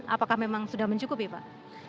apakah memang sudah mencukupi pak